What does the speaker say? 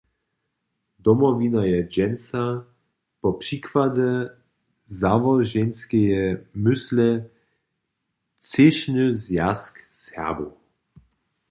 Domowina je dźensa - po přikładźe załoženskeje mysle - třěšny zwjazk Serbow.